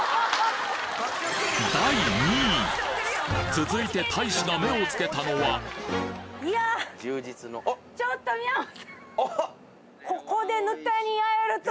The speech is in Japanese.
続いて大使が目をつけたのはちょっと。